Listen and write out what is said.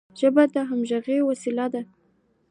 ژبه د همږغی وسیله ده.